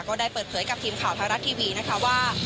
ก็ได้เปิดเผยกับทีมข่าวไทยรัฐทีวีนะคะว่า